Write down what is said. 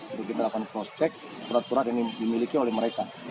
untuk kita akan crosscheck peraturan yang dimiliki oleh mereka